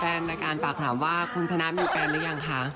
แฟนรายการฝากถามว่าคุณชนะมีแฟนหรือยังคะ